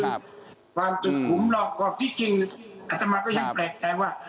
ความสุขผมหลอกกรอบที่จริงอัตมาก็ยังแปลกใจว่า